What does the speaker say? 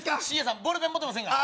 ＣＡさんボールペン持ってませんか？